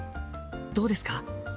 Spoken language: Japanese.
どうですか？